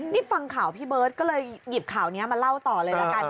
นี่ฟังข่าวพี่เบิร์ตก็เลยหยิบข่าวนี้มาเล่าต่อเลยละกัน